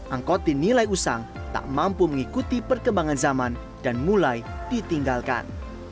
angkot dinilai usang tak mampu mengikuti perkembangan zaman dan mulai ditinggalkan